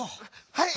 はい！